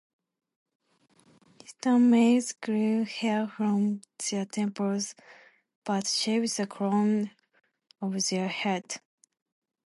Khitan males grew hair from their temples but shaved the crown of their heads.